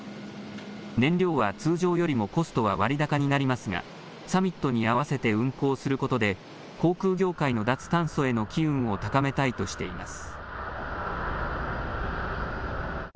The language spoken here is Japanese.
燃料は通常よりもコストは割高になりますがサミットに合わせて運航することで航空業界の脱炭素への機運を高めたいとしています。